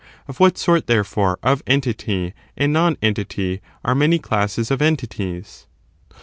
Of what sort, therefore, of entity and nonentity are many classes of entities